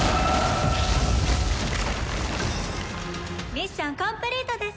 ミッションコンプリートです！